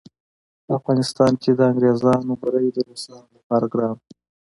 په افغانستان کې د انګریزانو بری د روسانو لپاره ګران وو.